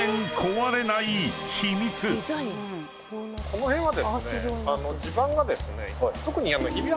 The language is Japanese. この辺はですね。